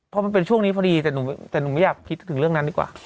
เพราะมันเป็นช่วงนี้พอดีแต่หนูไม่อยากคิดถึงเรื่องนั้นดีกว่า